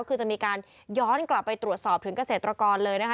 คือจะมีการย้อนกลับไปตรวจสอบถึงเกษตรกรเลยนะคะ